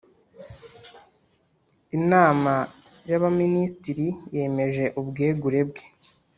Inama y Abaminisitiri yemeje ubwegure bwe